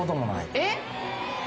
えっ？